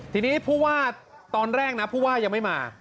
ทีนี้ผู้ว่าตอนแรกนะผู้ว่ายังไม่มา